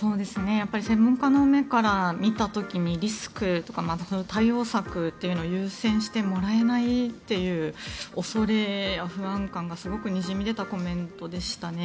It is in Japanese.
やっぱり専門家の目から見た時にリスクとか対応策というのが優先してもらえないという恐れや不安感がすごくにじみ出たコメントでしたね。